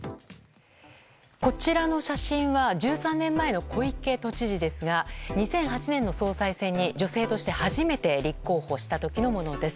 こちらの写真は１３年前の小池都知事ですが２００８年の総裁選に女性として初めて立候補した時のものです。